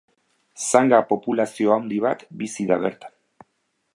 Zanga populazio handi bat bizi da bertan.